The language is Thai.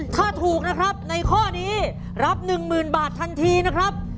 ถ้าถูกนะครับในข้อนี้รับ๑๐๐๐บาททันทีนะครับ